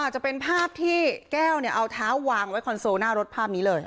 จะเป็นภาพที่แก้วเอาเท้าวางไว้คอนโซลหน้ารถภาพนี้เลย